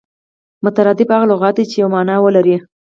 مترادف هغه لغت دئ، چي یوه مانا ولري.